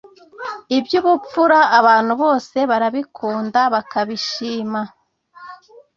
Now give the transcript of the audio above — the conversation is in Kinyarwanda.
Iby’ubupfura abantu bose barabikunda bakabishima